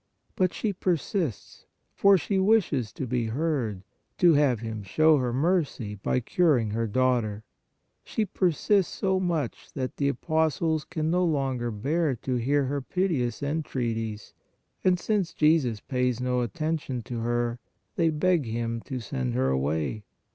But she persists, for she wishes to be heard, to have Him show her mercy, by curing her daughter. She persists so much that the apostles can no longer bear to hear her piteous entreaties, and since Jesus pays no at tention to her, they beg Him to send her away.